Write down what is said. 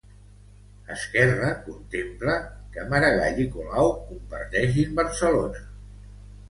Esquerra contempla que Maragall i Colau comparteixin Barcelona.